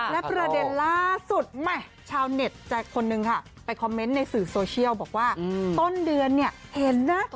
และประเด็นล่าสุดชาวเน็ตจากคนนึงค่ะไปคอมเมนต์ในสื่อโซเชียลบอกว่าต้นเดือนเนี่ยเห็นนะ